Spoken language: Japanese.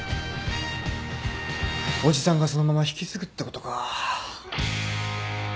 叔父さんがそのまま引き継ぐってことか。